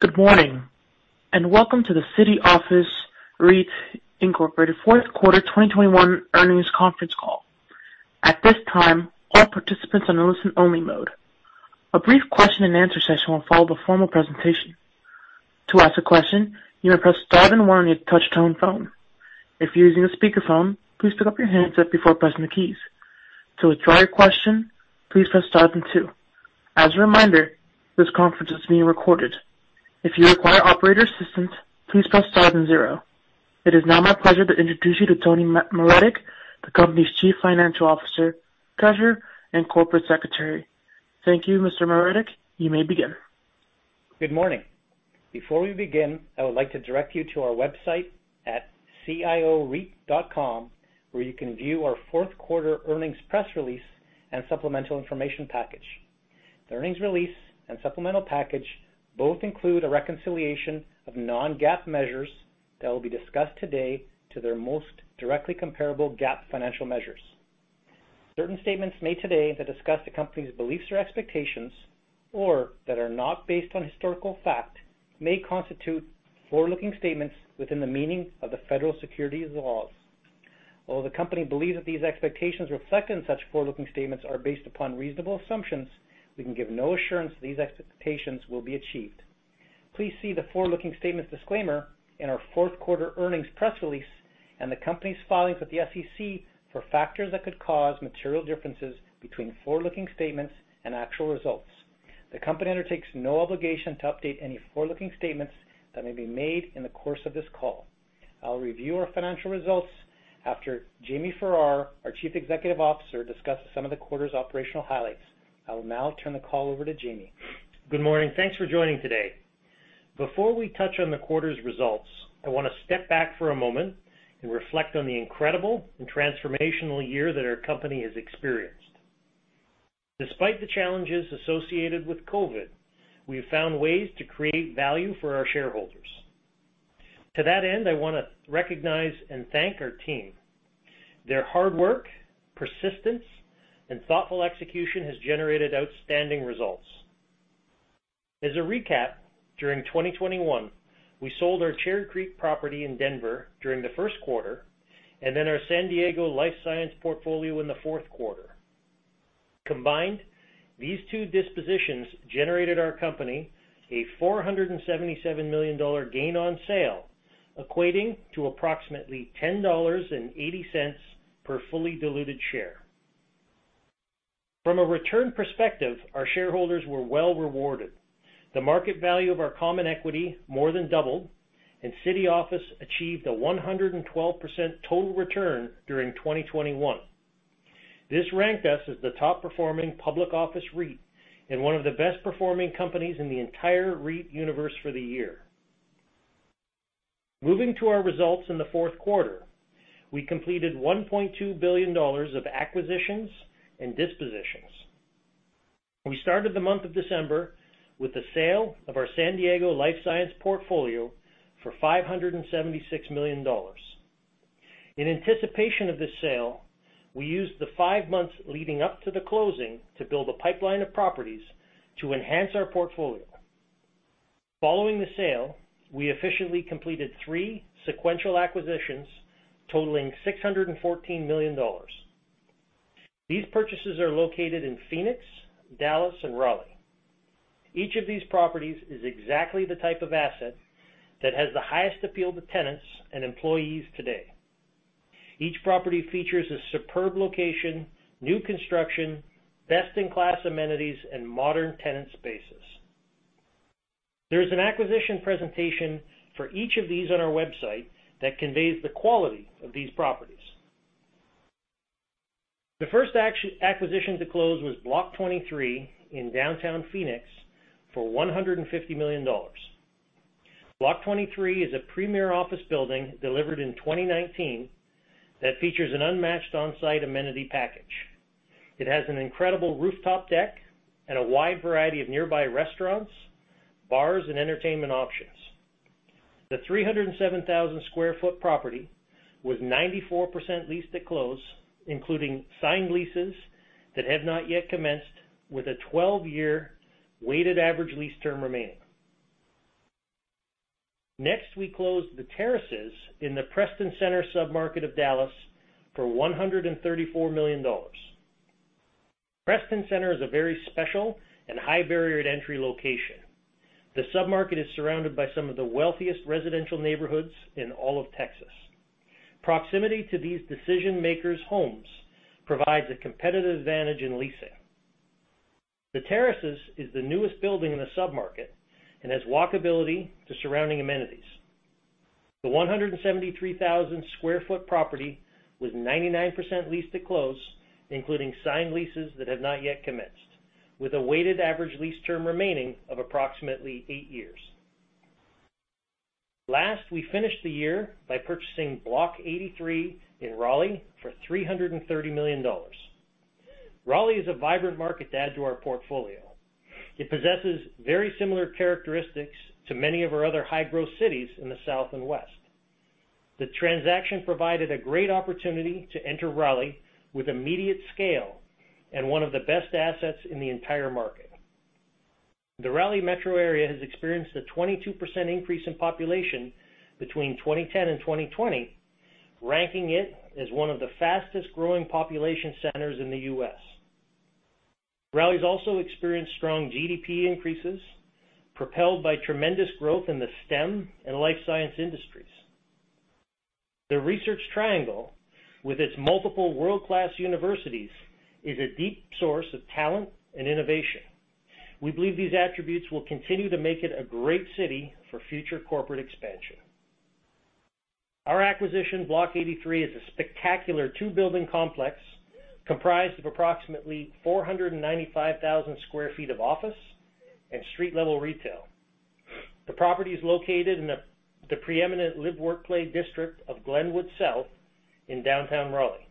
Good morning, and welcome to the City Office REIT, Inc. Fourth quarter 2021 earnings conference call. At this time, all participants are in listen only mode. A brief question and answer session will follow the formal presentation. To ask a question, you may press star then one on your touch tone phone. If you're using a speakerphone, please pick up your handset before pressing the keys. To withdraw your question, please press star then two. As a reminder, this conference is being recorded. If you require operator assistance, please press star then zero. It is now my pleasure to introduce you to Tony Maretic, the company's Chief Financial Officer, Treasurer, and Corporate Secretary. Thank you, Mr. Maretic. You may begin. Good morning. Before we begin, I would like to direct you to our website at cioreit.com, where you can view our fourth quarter earnings press release and supplemental information package. The earnings release and supplemental package both include a reconciliation of non-GAAP measures that will be discussed today to their most directly comparable GAAP financial measures. Certain statements made today that discuss the company's beliefs or expectations or that are not based on historical fact may constitute forward-looking statements within the meaning of the federal securities laws. Although the company believes that these expectations reflected in such forward-looking statements are based upon reasonable assumptions, we can give no assurance these expectations will be achieved. Please see the forward-looking statements disclaimer in our fourth quarter earnings press release and the company's filings with the SEC for factors that could cause material differences between forward-looking statements and actual results. The company undertakes no obligation to update any forward-looking statements that may be made in the course of this call. I'll review our financial results after Jamie Farrar, our Chief Executive Officer, discusses some of the quarter's operational highlights. I will now turn the call over to Jamie. Good morning. Thanks for joining today. Before we touch on the quarter's results, I wanna step back for a moment and reflect on the incredible and transformational year that our company has experienced. Despite the challenges associated with COVID, we have found ways to create value for our shareholders. To that end, I wanna recognize and thank our team. Their hard work, persistence, and thoughtful execution has generated outstanding results. As a recap, during 2021, we sold our Cherry Creek property in Denver during the first quarter and then our San Diego life science portfolio in the fourth quarter. Combined, these two dispositions generated our company a $477 million gain on sale, equating to approximately $10.80 per fully diluted share. From a return perspective, our shareholders were well rewarded. The market value of our common equity more than doubled, and City Office achieved a 112% total return during 2021. This ranked us as the top performing public office REIT and one of the best performing companies in the entire REIT universe for the year. Moving to our results in the fourth quarter, we completed $1.2 billion of acquisitions and dispositions. We started the month of December with the sale of our San Diego life science portfolio for $576 million. In anticipation of this sale, we used the five months leading up to the closing to build a pipeline of properties to enhance our portfolio. Following the sale, we efficiently completed three sequential acquisitions totaling $614 million. These purchases are located in Phoenix, Dallas, and Raleigh. Each of these properties is exactly the type of asset that has the highest appeal to tenants and employees today. Each property features a superb location, new construction, best-in-class amenities, and modern tenant spaces. There's an acquisition presentation for each of these on our website that conveys the quality of these properties. The first acquisition to close was Block 23 in downtown Phoenix for $150 million. Block 23 is a premier office building delivered in 2019 that features an unmatched on-site amenity package. It has an incredible rooftop deck and a wide variety of nearby restaurants, bars, and entertainment options. The 307,000 sq ft property was 94% leased to close, including signed leases that have not yet commenced with a 12-year weighted average lease term remaining. Next, we closed The Terraces in the Preston Center submarket of Dallas for $134 million. Preston Center is a very special and high barrier to entry location. The submarket is surrounded by some of the wealthiest residential neighborhoods in all of Texas. Proximity to these decision-makers' homes provides a competitive advantage in leasing. The Terraces is the newest building in the submarket and has walkability to surrounding amenities. The 173,000 sq ft property was 99% leased to close, including signed leases that have not yet commenced, with a weighted average lease term remaining of approximately 8 years. Last, we finished the year by purchasing Block 83 in Raleigh for $330 million. Raleigh is a vibrant market to add to our portfolio. It possesses very similar characteristics to many of our other high-growth cities in the South and West. The transaction provided a great opportunity to enter Raleigh with immediate scale and one of the best assets in the entire market. The Raleigh metro area has experienced a 22% increase in population between 2010 and 2020, ranking it as one of the fastest-growing population centers in the U.S. Raleigh's also experienced strong GDP increases propelled by tremendous growth in the STEM and life science industries. The Research Triangle, with its multiple world-class universities, is a deep source of talent and innovation. We believe these attributes will continue to make it a great city for future corporate expansion. Our acquisition, Block 83, is a spectacular two-building complex comprised of approximately 495,000 sq ft of office and street-level retail. The property is located in the preeminent live-work-play district of Glenwood South in downtown Raleigh.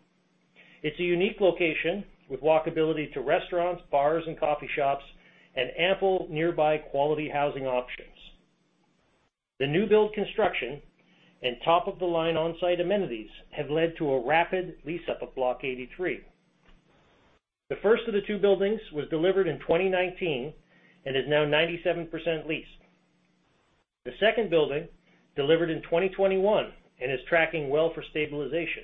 It's a unique location with walkability to restaurants, bars, and coffee shops, and ample nearby quality housing options. The new build construction and top-of-the-line on-site amenities have led to a rapid lease-up of Block 83. The first of the two buildings was delivered in 2019 and is now 97% leased. The second building delivered in 2021 and is tracking well for stabilization.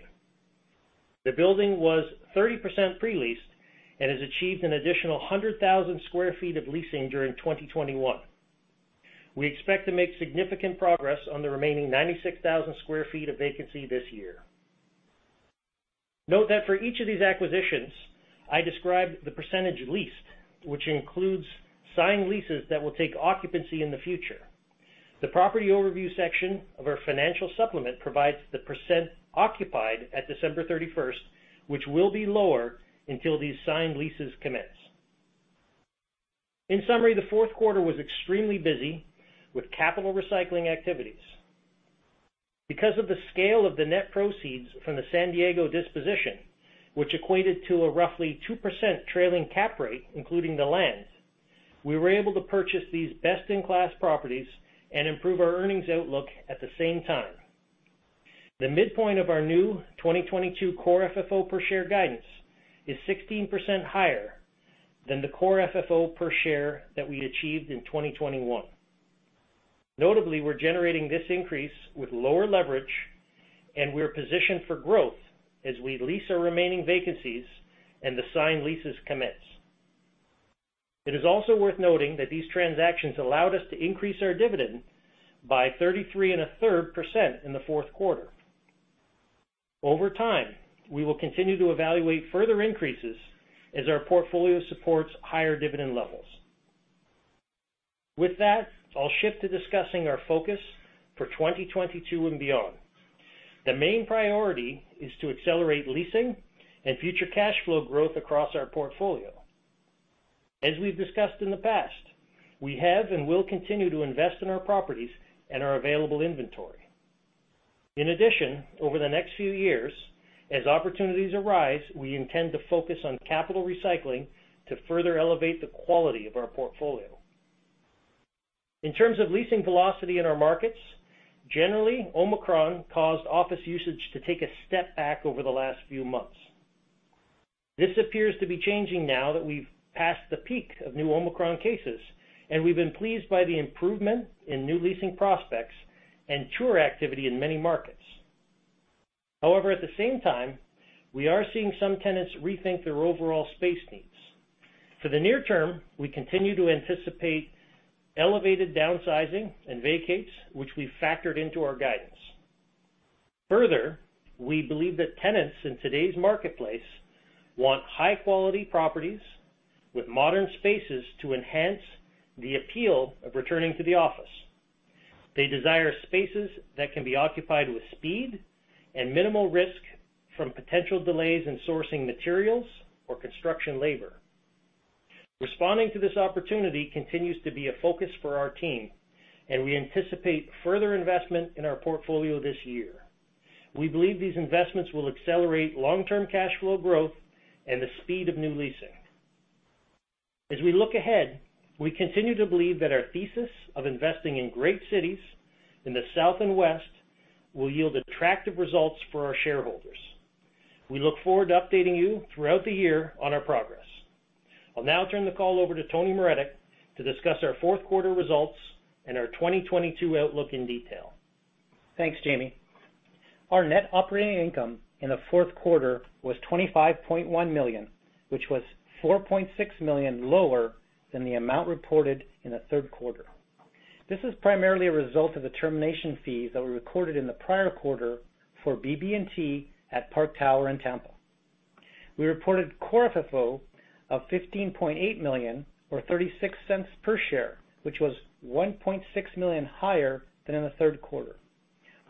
The building was 30% pre-leased and has achieved an additional 100,000 sq ft of leasing during 2021. We expect to make significant progress on the remaining 96,000 sq ft of vacancy this year. Note that for each of these acquisitions, I described the percentage leased, which includes signed leases that will take occupancy in the future. The property overview section of our financial supplement provides the percent occupied at December 31, which will be lower until these signed leases commence. In summary, the fourth quarter was extremely busy with capital recycling activities. Because of the scale of the net proceeds from the San Diego disposition, which equated to a roughly 2% trailing cap rate, including the land, we were able to purchase these best-in-class properties and improve our earnings outlook at the same time. The midpoint of our new 2022 Core FFO per share guidance is 16% higher than the Core FFO per share that we achieved in 2021. Notably, we're generating this increase with lower leverage, and we're positioned for growth as we lease our remaining vacancies and the signed leases commence. It is also worth noting that these transactions allowed us to increase our dividend by 33 1/3% in the fourth quarter. Over time, we will continue to evaluate further increases as our portfolio supports higher dividend levels. With that, I'll shift to discussing our focus for 2022 and beyond. The main priority is to accelerate leasing and future cash flow growth across our portfolio. As we've discussed in the past, we have and will continue to invest in our properties and our available inventory. In addition, over the next few years, as opportunities arise, we intend to focus on capital recycling to further elevate the quality of our portfolio. In terms of leasing velocity in our markets, generally, Omicron caused office usage to take a step back over the last few months. This appears to be changing now that we've passed the peak of new Omicron cases, and we've been pleased by the improvement in new leasing prospects and tour activity in many markets. However, at the same time, we are seeing some tenants rethink their overall space needs. For the near term, we continue to anticipate elevated downsizing and vacates, which we've factored into our guidance. Further, we believe that tenants in today's marketplace want high-quality properties with modern spaces to enhance the appeal of returning to the office. They desire spaces that can be occupied with speed and minimal risk from potential delays in sourcing materials or construction labor. Responding to this opportunity continues to be a focus for our team, and we anticipate further investment in our portfolio this year. We believe these investments will accelerate long-term cash flow growth and the speed of new leasing. As we look ahead, we continue to believe that our thesis of investing in great cities in the South and West will yield attractive results for our shareholders. We look forward to updating you throughout the year on our progress. I'll now turn the call over to Tony Maretic to discuss our fourth quarter results and our 2022 outlook in detail. Thanks, Jamie. Our net operating income in the fourth quarter was $25.1 million, which was $4.6 million lower than the amount reported in the third quarter. This is primarily a result of the termination fees that we recorded in the prior quarter for BB&T at Park Tower in Tampa. We reported Core FFO of $15.8 million or $0.36 per share, which was $1.6 million higher than in the third quarter.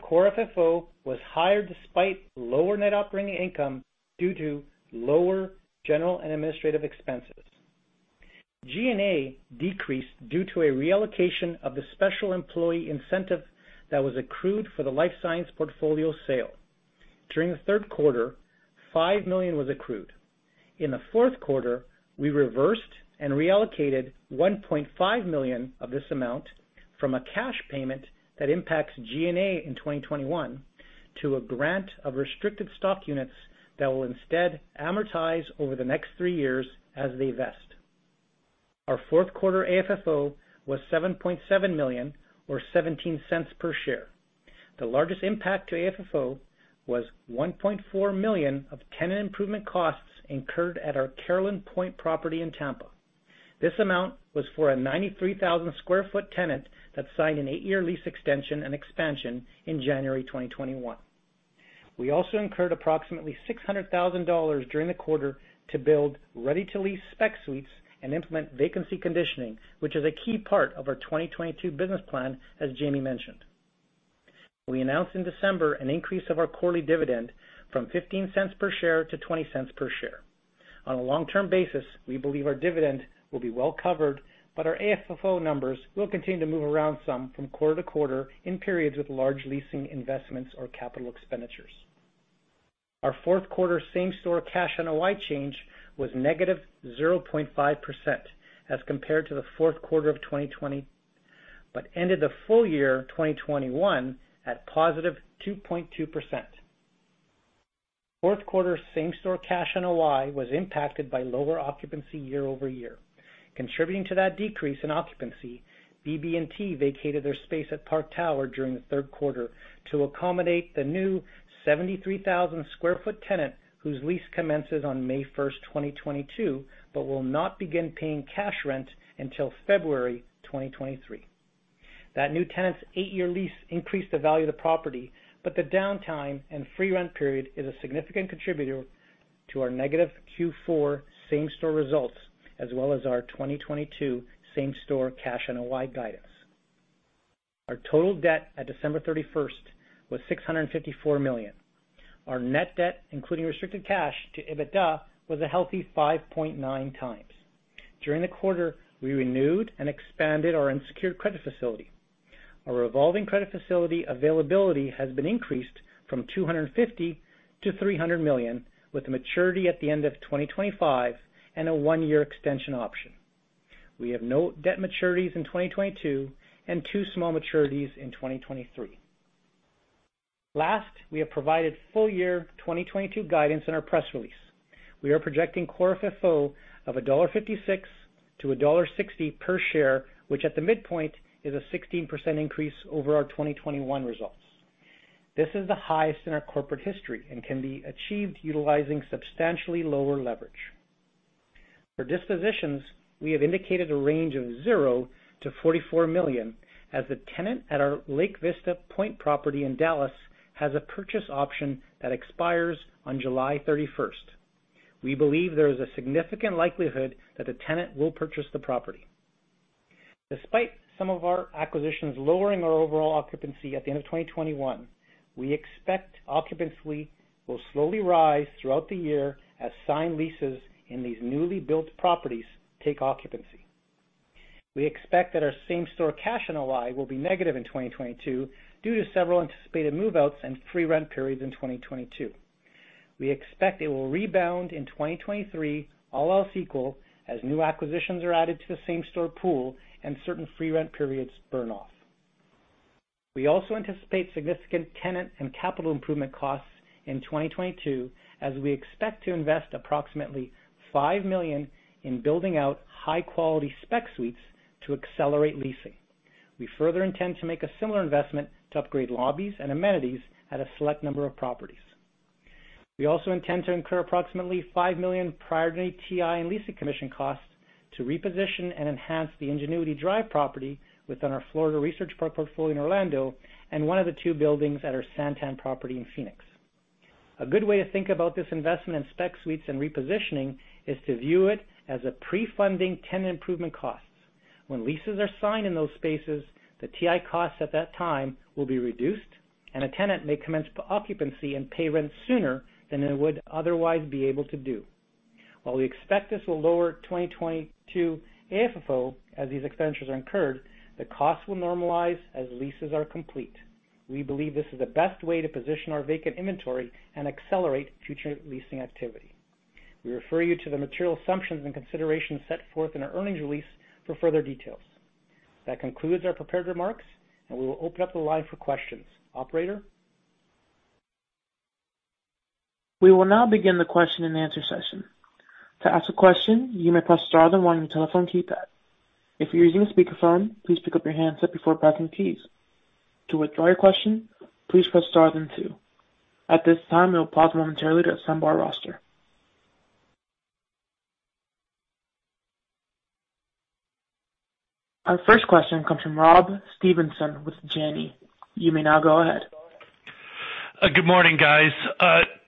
Core FFO was higher despite lower net operating income due to lower general and administrative expenses. G&A decreased due to a reallocation of the special employee incentive that was accrued for the life science portfolio sale. During the third quarter, $5 million was accrued. In the fourth quarter, we reversed and reallocated $1.5 million of this amount from a cash payment that impacts G&A in 2021 to a grant of restricted stock units that will instead amortize over the next 3 years as they vest. Our fourth quarter AFFO was $7.7 million or $0.17 per share. The largest impact to AFFO was $1.4 million of tenant improvement costs incurred at our Carillon Point property in Tampa. This amount was for a 93,000 sq ft tenant that signed an 8-year lease extension and expansion in January 2021. We also incurred approximately $600,000 during the quarter to build ready-to-lease spec suites and implement vacancy conditioning, which is a key part of our 2022 business plan, as Jamie mentioned. We announced in December an increase of our quarterly dividend from $0.15 per share to $0.20 per share. On a long-term basis, we believe our dividend will be well covered, but our AFFO numbers will continue to move around some from quarter to quarter in periods with large leasing investments or capital expenditures. Our fourth quarter same-store cash NOI change was -0.5% as compared to the fourth quarter of 2020, but ended the full year 2021 at +2.2%. Fourth quarter same-store cash NOI was impacted by lower occupancy year-over-year. Contributing to that decrease in occupancy, BB&T vacated their space at Park Tower during the third quarter to accommodate the new 73,000 sq ft tenant whose lease commences on May 1, 2022, but will not begin paying cash rent until February 2023. That new tenant's eight-year lease increased the value of the property, but the downtime and free rent period is a significant contributor to our negative Q4 same-store results, as well as our 2022 same-store cash NOI guidance. Our total debt at December 31 was $654 million. Our net debt, including restricted cash to EBITDA, was a healthy 5.9 times. During the quarter, we renewed and expanded our unsecured credit facility. Our revolving credit facility availability has been increased from $250 million to $300 million, with a maturity at the end of 2025 and a one-year extension option. We have no debt maturities in 2022 and 2 small maturities in 2023. Last, we have provided full year 2022 guidance in our press release. We are projecting core FFO of $1.56-$1.60 per share, which at the midpoint is a 16% increase over our 2021 results. This is the highest in our corporate history and can be achieved utilizing substantially lower leverage. For dispositions, we have indicated a range of $0-$44 million as the tenant at our Lake Vista Pointe property in Dallas has a purchase option that expires on July 31. We believe there is a significant likelihood that the tenant will purchase the property. Despite some of our acquisitions lowering our overall occupancy at the end of 2021, we expect occupancy will slowly rise throughout the year as signed leases in these newly built properties take occupancy. We expect that our same-store cash NOI will be negative in 2022 due to several anticipated move-outs and free rent periods in 2022. We expect it will rebound in 2023, all else equal, as new acquisitions are added to the same-store pool and certain free rent periods burn off. We also anticipate significant tenant and capital improvement costs in 2022, as we expect to invest approximately $5 million in building out high-quality spec suites to accelerate leasing. We further intend to make a similar investment to upgrade lobbies and amenities at a select number of properties. We also intend to incur approximately $5 million prior to any TI and leasing commission costs to reposition and enhance the Ingenuity Drive property within our Florida Research Park portfolio in Orlando and one of the two buildings at our SanTan property in Phoenix. A good way to think about this investment in spec suites and repositioning is to view it as a pre-funding tenant improvement costs. When leases are signed in those spaces, the TI costs at that time will be reduced, and a tenant may commence occupancy and pay rent sooner than it would otherwise be able to do. While we expect this will lower 2022 AFFO as these expenditures are incurred, the costs will normalize as leases are complete. We believe this is the best way to position our vacant inventory and accelerate future leasing activity. We refer you to the material assumptions and considerations set forth in our earnings release for further details. That concludes our prepared remarks, and we will open up the line for questions. Operator? We will now begin the question-and-answer session. To ask a question, you may press star then one on your telephone keypad. If you're using a speakerphone, please pick up your handset before pressing keys. To withdraw your question, please press star then two. At this time, we'll pause momentarily to assemble our roster. Our first question comes from Rob Stevenson with Janney. You may now go ahead. Good morning, guys.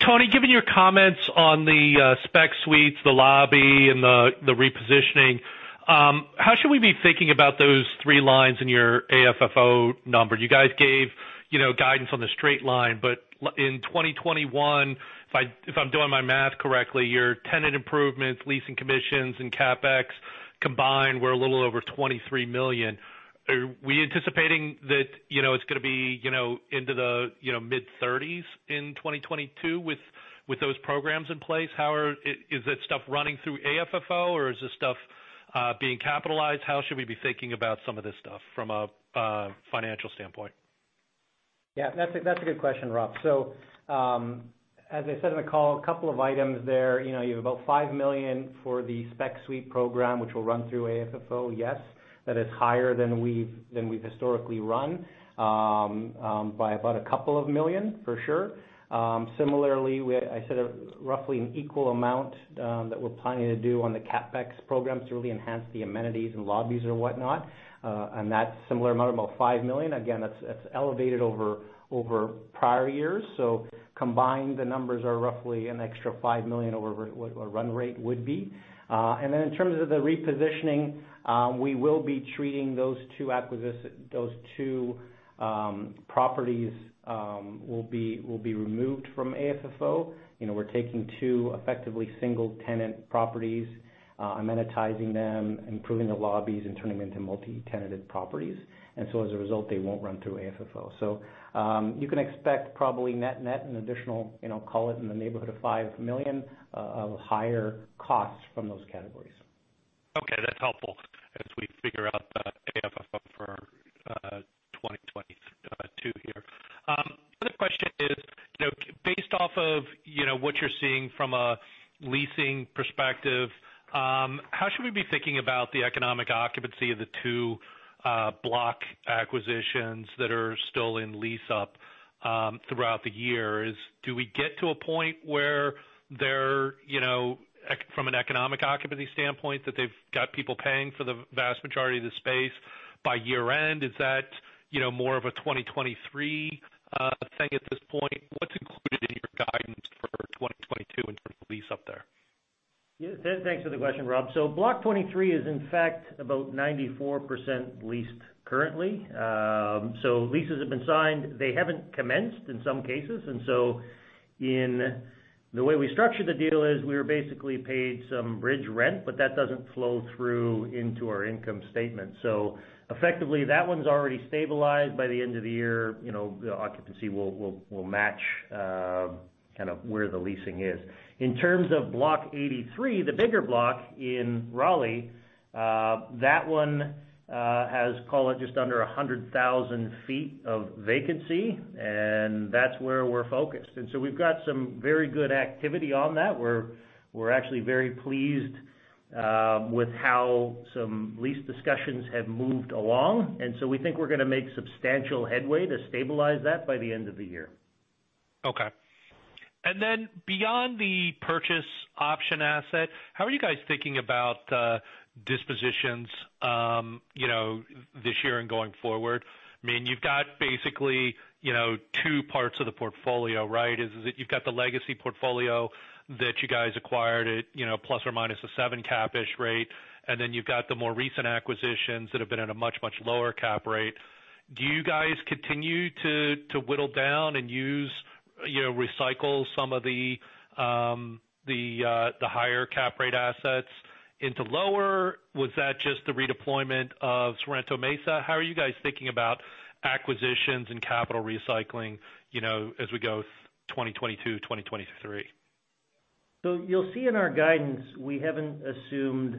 Tony, given your comments on the spec suites, the lobby, and the repositioning, how should we be thinking about those three lines in your AFFO number? You guys gave, you know, guidance on the straight line, but in 2021, if I'm doing my math correctly, your tenant improvements, leasing commissions, and CapEx Combined, we're a little over $23 million. Are we anticipating that, you know, it's gonna be, you know, into the, you know, mid-30s in 2022 with those programs in place? Is that stuff running through AFFO or is this stuff being capitalized? How should we be thinking about some of this stuff from a financial standpoint? Yeah, that's a good question, Rob. As I said in the call, a couple of items there. You know, you have about $5 million for the spec suite program, which will run through AFFO, yes. That is higher than we've historically run by about a couple of million, for sure. Similarly, I said a roughly equal amount that we're planning to do on the CapEx program to really enhance the amenities and lobbies and whatnot. And that's a similar amount, about $5 million. Again, that's elevated over prior years. Combined, the numbers are roughly an extra $5 million over what a run rate would be. And then in terms of the repositioning, we will be treating those two properties that will be removed from AFFO. You know, we're taking two effectively single tenant properties, amenitizing them, improving the lobbies and turning them into multi-tenanted properties. As a result, they won't run through AFFO. You can expect probably net net an additional, you know, call it in the neighborhood of $5 million of higher costs from those categories. Okay, that's helpful as we figure out the AFFO for 2022 here. The other question is, you know, based off of, you know, what you're seeing from a leasing perspective, how should we be thinking about the economic occupancy of the two block acquisitions that are still in lease up throughout the years? Do we get to a point where they're, you know, from an economic occupancy standpoint, that they've got people paying for the vast majority of the space by year-end? Is that, you know, more of a 2023 thing at this point? What's included in your guidance for 2022 in terms of lease up there? Thanks for the question, Rob. Block 23 is in fact about 94% leased currently. Leases have been signed. They haven't commenced in some cases. In the way we structured the deal, we were basically paid some bridge rent, but that doesn't flow through into our income statement. Effectively, that one's already stabilized by the end of the year. You know, the occupancy will match kind of where the leasing is. In terms of Block 83, the bigger block in Raleigh, that one has, call it, just under 100,000 sq ft of vacancy, and that's where we're focused. We've got some very good activity on that. We're actually very pleased with how some lease discussions have moved along. We think we're gonna make substantial headway to stabilize that by the end of the year. Okay. Then beyond the purchase option asset, how are you guys thinking about dispositions, you know, this year and going forward? I mean, you've got basically, you know, two parts of the portfolio, right? Is that you've got the legacy portfolio that you guys acquired at, you know, plus or minus a 7 cap-ish rate, and then you've got the more recent acquisitions that have been at a much, much lower cap rate. Do you guys continue to whittle down and use, you know, recycle some of the higher cap rate assets into lower? Was that just the redeployment of Sorrento Mesa? How are you guys thinking about acquisitions and capital recycling, you know, as we go 2022, 2023? You'll see in our guidance, we haven't assumed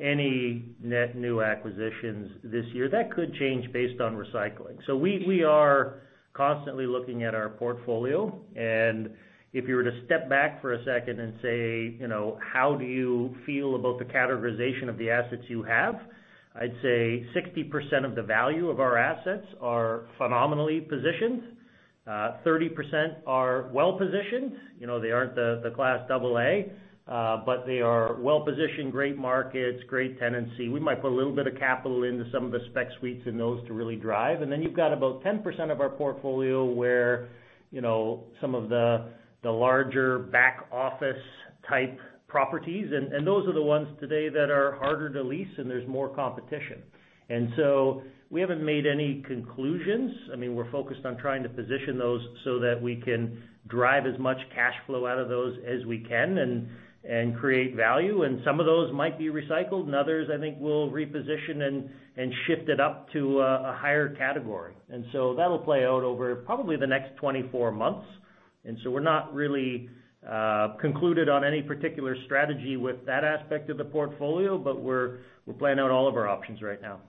any net new acquisitions this year. That could change based on recycling. We are constantly looking at our portfolio. If you were to step back for a second and say, you know, how do you feel about the categorization of the assets you have? I'd say 60% of the value of our assets are phenomenally positioned. Thirty percent are well-positioned. They aren't the Class A, but they are well-positioned, great markets, great tenancy. We might put a little bit of capital into some of the spec suites in those to really drive. Then you've got about 10% of our portfolio where, you know, some of the larger back office type properties, and those are the ones today that are harder to lease, and there's more competition. We haven't made any conclusions. I mean, we're focused on trying to position those so that we can drive as much cash flow out of those as we can and create value. Some of those might be recycled, and others, I think, we'll reposition and shift it up to a higher category. That'll play out over probably the next 24 months. We're not really concluded on any particular strategy with that aspect of the portfolio, but we're playing out all of our options right now.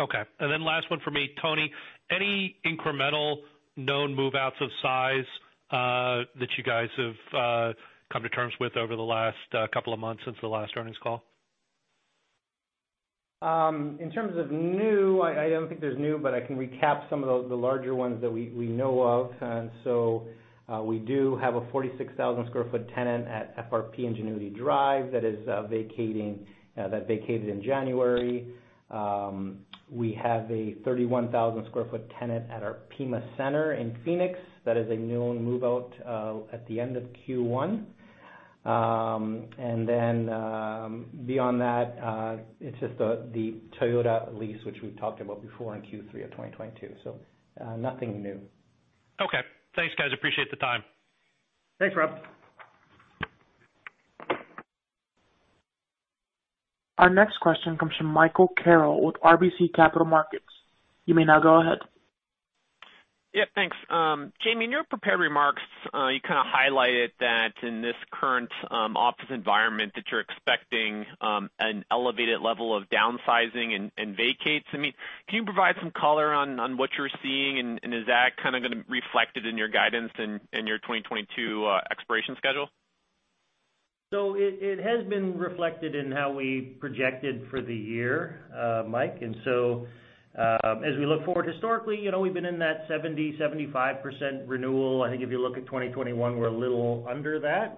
Okay. Last one for me. Tony, any incremental known move-outs of size, that you guys have, come to terms with over the last, couple of months since the last earnings call? In terms of new, I don't think there's new, but I can recap some of the larger ones that we know of. We do have a 46,000 sq ft tenant at FRP Ingenuity Drive that vacated in January. We have a 31,000 sq ft tenant at our Pima Center in Phoenix that is a known move-out at the end of Q1. Beyond that, it's just the Toyota lease, which we've talked about before in Q3 of 2022. Nothing new. Okay. Thanks, guys, appreciate the time. Thanks, Rob. Our next question comes from Michael Carroll with RBC Capital Markets. You may now go ahead. Yeah, thanks. Jamie, in your prepared remarks, you kind of highlighted that in this current office environment that you're expecting an elevated level of downsizing and vacates. I mean, can you provide some color on what you're seeing? Is that kind of gonna reflected in your guidance in your 2022 expiration schedule? It has been reflected in how we projected for the year, Mike. As we look forward historically, you know, we've been in that 70-75% renewal. I think if you look at 2021, we're a little under that.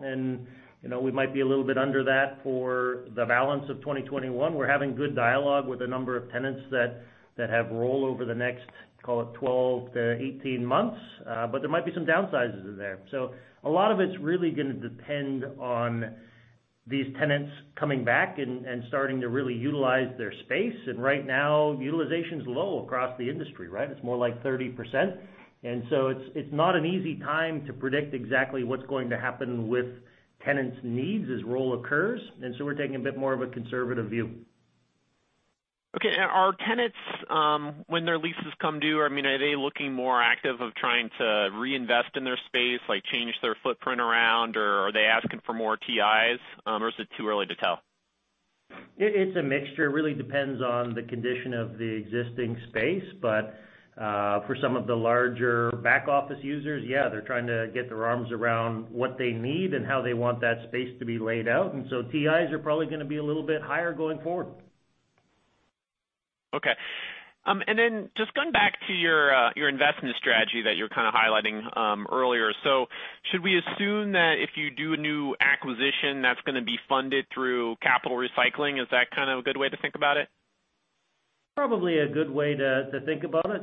You know, we might be a little bit under that for the balance of 2021. We're having good dialogue with a number of tenants that have roll over the next, call it, 12-18 months. But there might be some downsizes in there. A lot of it's really gonna depend on these tenants coming back and starting to really utilize their space. Right now, utilization's low across the industry, right? It's more like 30%. It's not an easy time to predict exactly what's going to happen with tenants' needs as roll occurs. We're taking a bit more of a conservative view. Okay. Are tenants, when their leases come due, I mean, are they looking more active of trying to reinvest in their space, like change their footprint around, or are they asking for more TIs, or is it too early to tell? It's a mixture. It really depends on the condition of the existing space. For some of the larger back office users, yeah, they're trying to get their arms around what they need and how they want that space to be laid out. TIs are probably gonna be a little bit higher going forward. Okay. Then just going back to your investment strategy that you were kind of highlighting earlier. Should we assume that if you do a new acquisition that's gonna be funded through capital recycling? Is that kind of a good way to think about it? Probably a good way to think about it.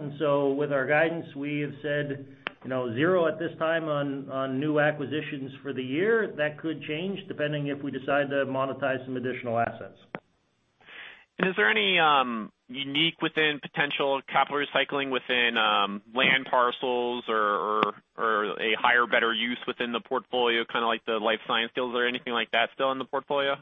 With our guidance, we have said, you know, zero at this time on new acquisitions for the year. That could change depending if we decide to monetize some additional assets. Is there any unique potential capital recycling within land parcels or a higher and better use within the portfolio, kinda like the life science deals or anything like that still in the portfolio?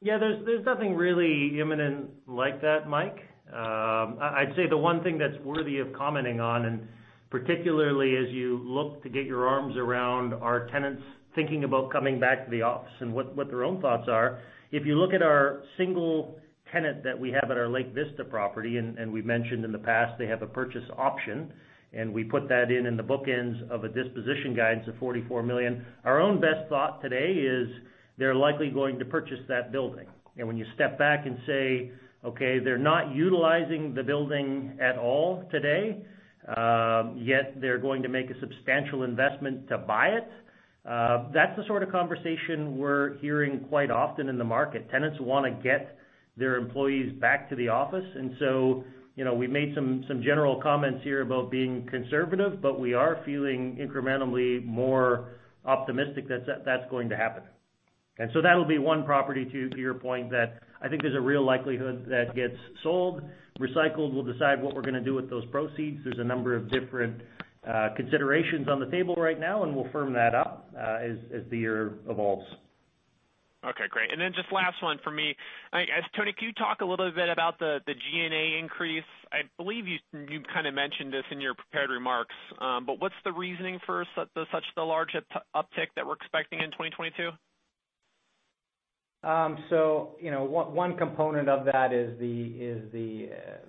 Yeah. There's nothing really imminent like that, Mike. I'd say the one thing that's worthy of commenting on, and particularly as you look to get your arms around our tenants thinking about coming back to the office and what their own thoughts are. If you look at our single tenant that we have at our Lake Vista Pointe property, and we've mentioned in the past they have a purchase option, and we put that in the bookends of a disposition guidance of $44 million. Our own best thought today is they're likely going to purchase that building. When you step back and say, "Okay, they're not utilizing the building at all today, yet they're going to make a substantial investment to buy it," that's the sort of conversation we're hearing quite often in the market. Tenants wanna get their employees back to the office. You know, we made some general comments here about being conservative, but we are feeling incrementally more optimistic that's going to happen. That'll be one property to your point that I think there's a real likelihood that gets sold, recycled. We'll decide what we're gonna do with those proceeds. There's a number of different considerations on the table right now, and we'll firm that up as the year evolves. Okay. Great. Just last one for me. Tony, can you talk a little bit about the G&A increase? I believe you kind of mentioned this in your prepared remarks. What's the reasoning for such a large uptick that we're expecting in 2022? You know, one component of that is the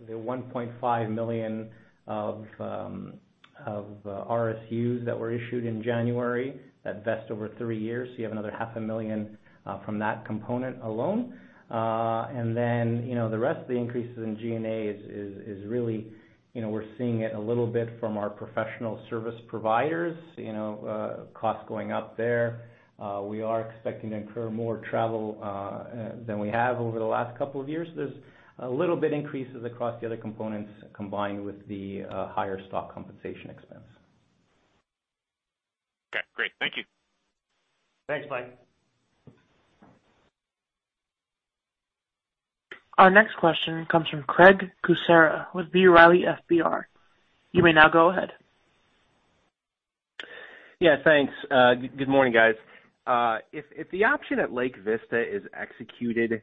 $1.5 million of RSUs that were issued in January that vest over three years. You have another $0.5 million from that component alone. You know, the rest of the increases in G&A is really, you know, we're seeing it a little bit from our professional service providers, you know, costs going up there. We are expecting to incur more travel than we have over the last couple of years. There's a little bit increases across the other components combined with the higher stock compensation expense. Okay. Great. Thank you. Thanks, Mike. Our next question comes from Craig Kucera with B. Riley FBR. You may now go ahead. Yeah, thanks. Good morning, guys. If the option at Lake Vista is executed,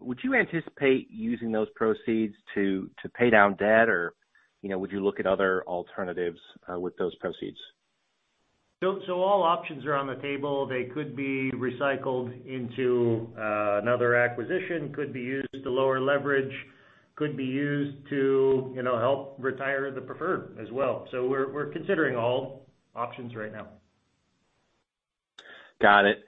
would you anticipate using those proceeds to pay down debt or, you know, would you look at other alternatives with those proceeds? All options are on the table. They could be recycled into another acquisition, could be used to lower leverage, could be used to, you know, help retire the preferred as well. We're considering all options right now. Got it.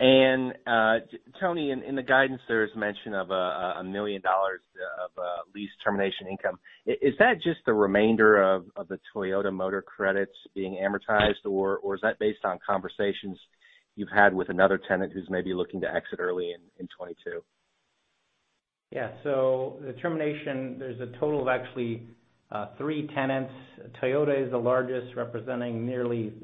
Tony, in the guidance there is mention of $1 million of lease termination income. Is that just the remainder of the Toyota Motor Credit being amortized, or is that based on conversations you've had with another tenant who's maybe looking to exit early in 2022? The termination, there's a total of actually three tenants. Toyota is the largest, representing nearly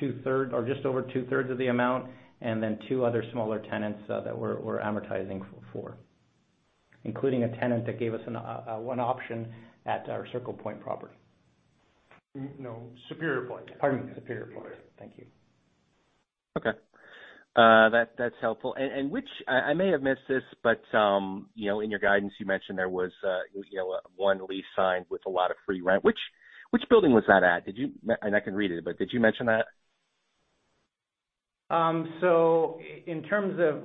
two-thirds or just over two-thirds of the amount, and then two other smaller tenants that we're amortizing for. Including a tenant that gave us an one option at our Carillon Point property. No, Superior Point. Pardon me, Superior Point. Thank you. Okay, that's helpful. I may have missed this, but you know, in your guidance you mentioned there was you know, one lease signed with a lot of free rent. Which building was that at? I can read it, but did you mention that? In terms of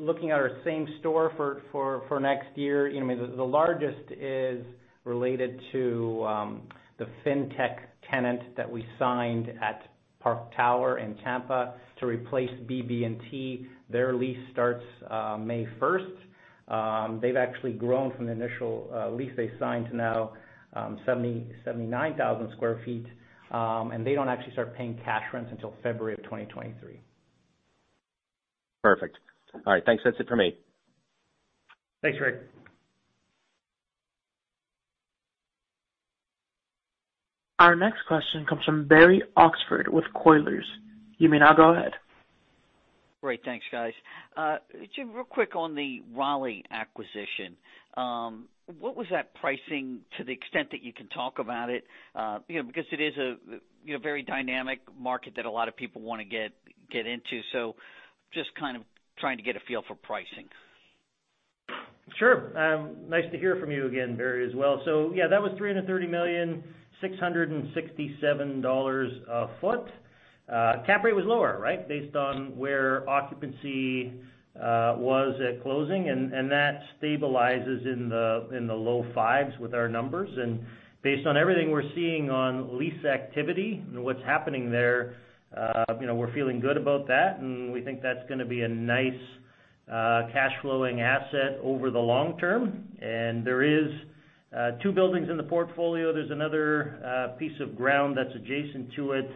looking at our same-store for next year, you know, I mean, the largest is related to the fintech tenant that we signed at Park Tower in Tampa to replace BB&T. Their lease starts May first. They've actually grown from the initial lease they signed to now 79,000 sq ft. They don't actually start paying cash rents until February of 2023. Perfect. All right. Thanks. That's it for me. Thanks, Craig. Our next question comes from Barry Oxford with Colliers. You may now go ahead. Great. Thanks, guys. Jamie, real quick on the Raleigh acquisition. What was that pricing to the extent that you can talk about it? You know, because it is a you know very dynamic market that a lot of people wanna get into, so just kind of trying to get a feel for pricing. Sure. Nice to hear from you again, Barry, as well. Yeah, that was $330 million, $667 a foot. Cap rate was lower, right, based on where occupancy was at closing, and that stabilizes in the low fives with our numbers. Based on everything we're seeing on lease activity and what's happening there, you know, we're feeling good about that, and we think that's gonna be a nice cash flowing asset over the long term. There is 2 buildings in the portfolio. There's another piece of ground that's adjacent to it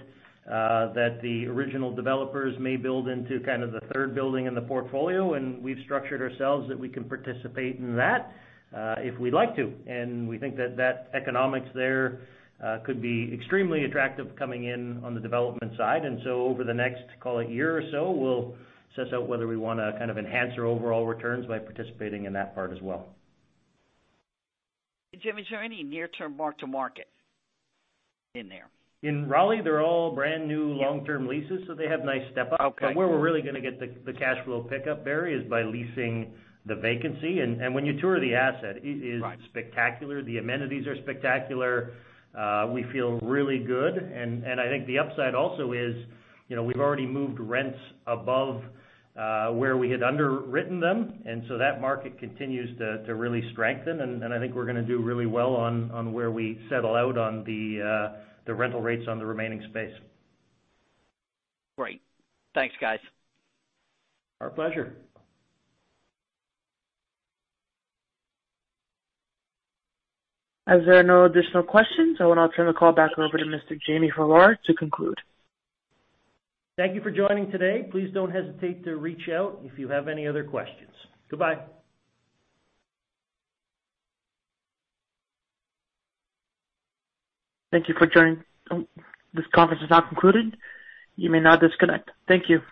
that the original developers may build into kind of the third building in the portfolio, and we've structured ourselves that we can participate in that if we'd like to. We think that the economics there could be extremely attractive coming in on the development side. Over the next, call it year or so, we'll suss out whether we wanna kind of enhance our overall returns by participating in that part as well. Jim, is there any near-term mark to market in there? In Raleigh, they're all brand new long-term leases, so they have nice step-up. Okay. Where we're really gonna get the cash flow pickup, Barry, is by leasing the vacancy. When you tour the asset, it is- Right. -spectacular. The amenities are spectacular. We feel really good. I think the upside also is, you know, we've already moved rents above where we had underwritten them. That market continues to really strengthen, and I think we're gonna do really well on where we settle out on the rental rates on the remaining space. Great. Thanks, guys. Our pleasure. As there are no additional questions, I will now turn the call back over to Mr. Jamie Farrar to conclude. Thank you for joining today. Please don't hesitate to reach out if you have any other questions. Goodbye. Thank you for joining. Um, this conference is now concluded. You may now disconnect. Thank you.